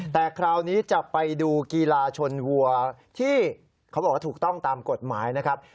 แต่คราวนี้จะไปดูกีฬาชนวัวที่เขาบอกว่าถูกต้องตามกฎหมายนะครับ